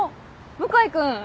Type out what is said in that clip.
向井君！